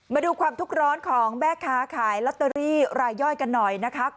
มาดูความทุกข์ร้อนของแม่ค้าขายลอตเตอรี่รายย่อยกันหน่อยนะคะ